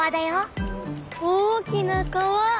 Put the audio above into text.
大きな川！